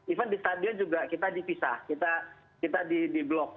even di stadion juga kita dipisah kita diblok